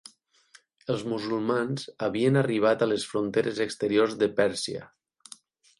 Els musulmans havien arribat a les fronteres exteriors de Pèrsia.